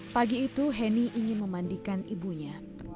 waktu itu henny ingin memandikan ibunya